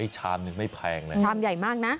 ชามนึงไม่แพงเลยชามใหญ่มากนะ